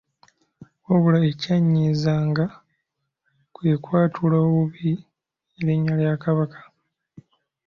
Wabula ekyannyiizanga kwe kwatula obubi erinnya lya Kabaka.